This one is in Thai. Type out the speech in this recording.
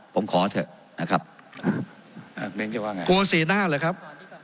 ผมขอเถอะนะครับเบ้นจะว่าไงกลัวสีหน้าเหรอครับ